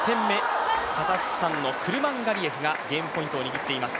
カザフスタンのクルマンガリエフがゲームポイントを握っています。